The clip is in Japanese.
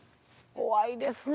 怖いですね！